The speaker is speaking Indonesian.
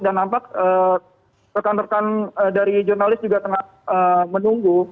dan nampak rekan rekan dari jurnalis juga tengah menunggu